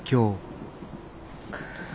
そっか。